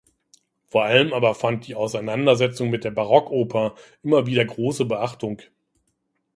Vor allem aber fand die Auseinandersetzung mit der Barockoper immer wieder große Beachtung.